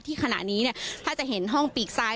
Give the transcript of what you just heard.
ที่ขณะนี้ถ้าจะเห็นห้องปีกซ้าย